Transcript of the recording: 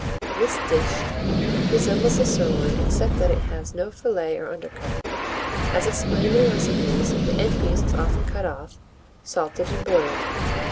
This dish resembles the sirloin, except that it has no fillet or undercut. As explained in the recipes, the end piece is often cut off, salted and boiled.